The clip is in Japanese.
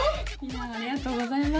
ありがとうございます